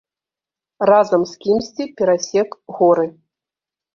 Разам з кімсьці перасек горы.